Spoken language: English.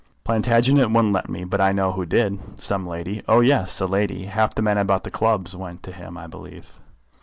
"Plantagenet wouldn't let me, but I know who did." "Some lady?" "Oh, yes, a lady. Half the men about the clubs went to him, I believe."